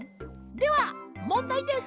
では問題です！